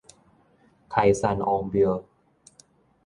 開山王廟